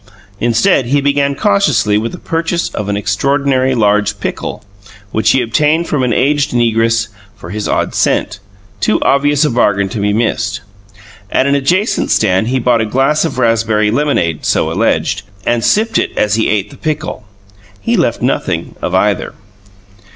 Instead, he began cautiously with the purchase of an extraordinarily large pickle, which he obtained from an aged negress for his odd cent, too obvious a bargain to be missed. At an adjacent stand he bought a glass of raspberry lemonade (so alleged) and sipped it as he ate the pickle. He left nothing of either.